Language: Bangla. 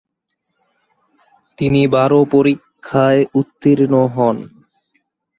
তিনি বার পরীক্ষায় উত্তীর্ণ হন।